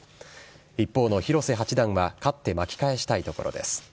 一方の広瀬八段は勝って巻き返したいところです。